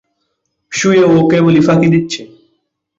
শুয়ে ও কেবলই ফাঁকি দিচ্ছে।